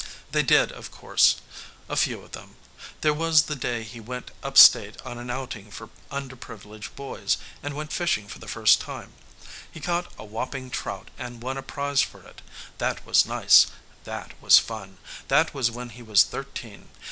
They did, of course. A few of them. There was the day he went upstate on an outing for underprivileged boys and went fishing for the first time. He caught a whopping trout and won a prize for it. That was nice; that was fun. That was when he was thirteen.